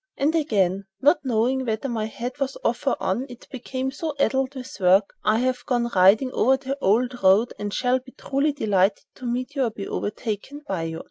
And again: "Not knowing whether my head was off or on, it became so addled with work, I have gone riding over the old road, and shall be truly delighted to meet or be overtaken by you."